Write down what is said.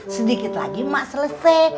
sedikit lagi mak selesai